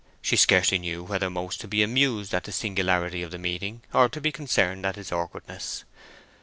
She scarcely knew whether most to be amused at the singularity of the meeting, or to be concerned at its awkwardness.